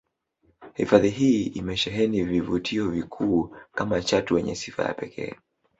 Hifadhi hii imesheheni vivutio vikuu kama chatu wenye sifa ya pekee